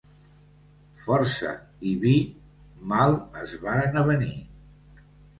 Força i vi mal es varen avenir.